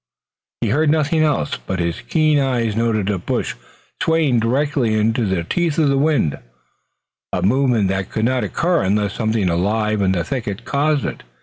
He heard nothing else but his keen eyes noted a bush swaying directly into the teeth of the wind, a movement that could not occur unless something alive in the thicket caused it.